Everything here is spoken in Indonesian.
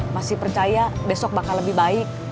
masih percaya besok bakal lebih baik